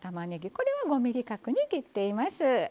これは５ｍｍ角に切っています。